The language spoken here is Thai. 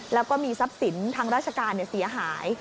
แล้วก็มีทรัพย์สินทางราชการเสียหาย